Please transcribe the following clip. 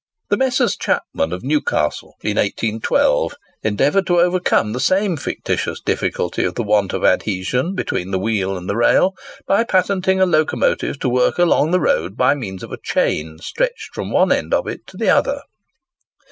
The Messrs. Chapman, of Newcastle, in 1812, endeavoured to overcome the same fictitious difficulty of the want of adhesion between the wheel and the rail, by patenting a locomotive to work along the road by means of a chain stretched from one end of it to the other.